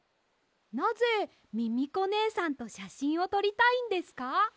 なぜミミコねえさんとしゃしんをとりたいんですか？